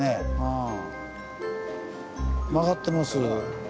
曲がってます。